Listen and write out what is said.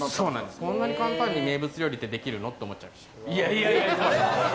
こんなに簡単に名物料理ってできるの？って思いました。